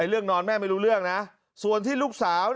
การนอนไม่จำเป็นต้องมีอะไรกัน